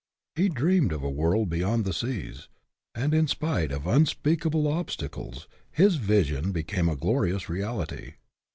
He dreamed of a world beyond the seas, and, in spite of unspeakable obstacles, his vision became a glorious reality.